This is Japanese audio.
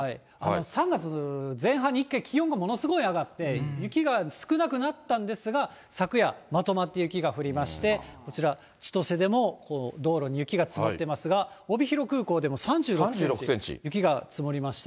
３月前半に、一回気温がものすごい上がって、雪が少なくなったんですが、昨夜、まとまった雪が降りまして、こちら、千歳でも道路に雪が積もってますが、帯広空港でも３６センチ、雪が積もりました。